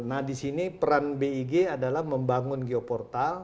nah di sini peran big adalah membangun geoportal